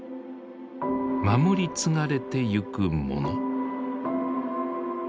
守り継がれていくもの。